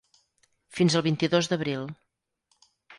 Fins al vint-i-dos d’abril.